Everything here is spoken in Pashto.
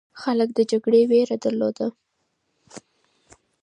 خلک د جګړې ویره درلوده.